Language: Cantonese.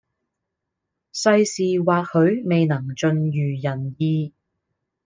世事或許未能盡如人意